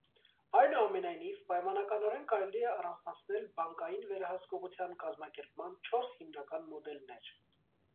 Այնուամենայնիվ, պայմանականորեն կարելի է առանձնացնել բանկային վերահսկողության կազմակերպման չորս հիմնական մոդելներ։